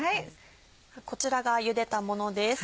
こちらがゆでたものです。